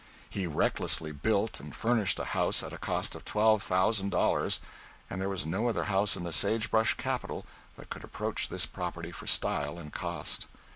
He recklessly built and furnished a house at a cost of twelve thousand dollars, and there was no other house in the sage brush capital that could approach this property for style and cost.